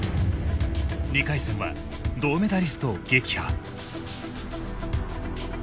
２回戦は銅メダリストを撃破。